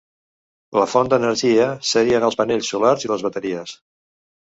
La font d'energia serien els panells solars i les bateries.